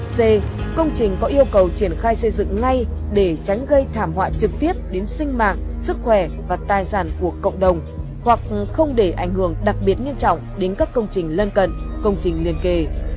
c công trình có yêu cầu triển khai xây dựng ngay để tránh gây thảm họa trực tiếp đến sinh mạng sức khỏe và tài sản của cộng đồng hoặc không để ảnh hưởng đặc biệt nghiêm trọng đến các công trình lân cận công trình liên kề